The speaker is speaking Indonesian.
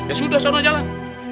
ya sudah sana jalan